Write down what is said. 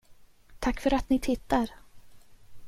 Tack för att ni tittar!